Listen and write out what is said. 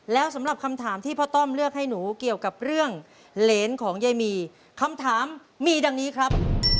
แล้วสำหรับคำถามที่พ่อต้อมเลือกให้หนูเกี่ยวกับเรื่องเหรนของยายหมีคำถามมีดังนี้ครับ